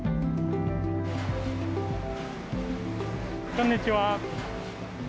こんにちは。